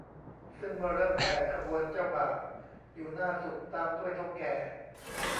ซึ่งเมื่อเริ่มแห่ ขบวนเจ้าบ่าวอยู่หน้าสุด ตามด้วยเถ้าแก่